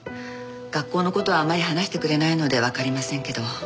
学校の事はあまり話してくれないのでわかりませんけど。